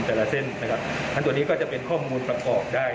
เส้นนะครับอันตัวนี้ก็จะเป็นข้อมูลประกอบได้